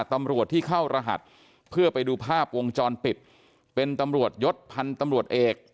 ตำรวจที่เข้ารหัสเพื่อไปดูภาพวงจรปิดเป็นตำรวจยศพันธุ์ตำรวจเอก